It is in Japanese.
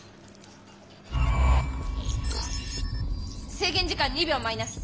制限時間２秒マイナス。